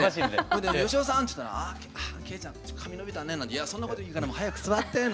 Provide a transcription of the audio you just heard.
それで「芳雄さん！」って言ったら「ああ惠ちゃん髪伸びたね」なんて「そんなこといいから早く座って」なんて。